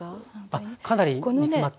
あっかなり煮詰まって。